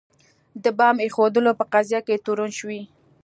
د بمب ایښودلو په قضیه کې تورن شوي.